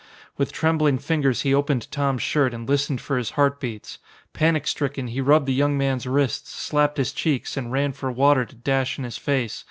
With trembling fingers he opened Tom's shirt and listened for his heartbeats. Panic stricken, he rubbed the young man's wrists, slapped his cheeks, and ran for water to dash in his face.